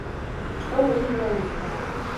Што ў ім беларускага?